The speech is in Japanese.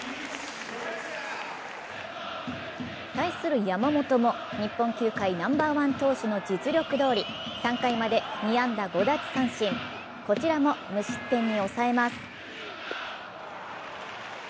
対する山本も日本球界ナンバーワン投手の実力どおり、３回まで２安打５奪三振、こちらも無失点に抑えます。